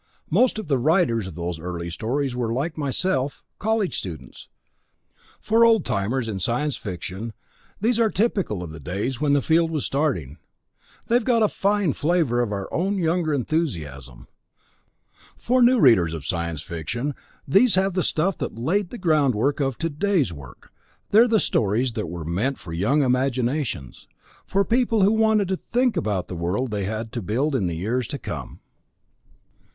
Most of the writers of those early stories were, like myself, college students. (Piracy Preferred was written while I was a sophomore at M.I.T.) For old timers in science fiction these are typical of the days when the field was starting. They've got a fine flavor of our own younger enthusiasm. For new readers of science fiction these have the stuff that laid the groundwork of today's work, they're the stories that were meant for young imaginations, for people who wanted to think about the world they had to build in the years to come.